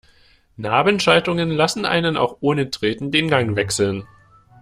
Nabenschaltungen lassen einen auch ohne Treten den Gang wechseln.